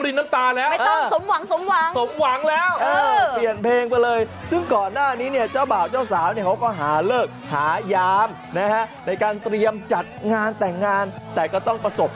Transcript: นี่คือชาวบ้านช่างหม้อตำบลคำน้ำแซ่บ